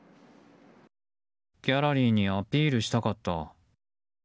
ギャラリーにアピールしたかった。